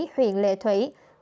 huyện lệ thủy